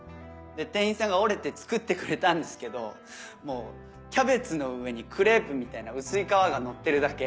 店員さんが折れて作ってくれたんですけどキャベツの上にクレープみたいな薄い皮がのってるだけ。